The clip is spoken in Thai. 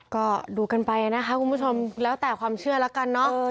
ก็ดูกันไปนะคะคุณผู้ชมแล้วแต่ความเชื่อแล้วกันเนอะ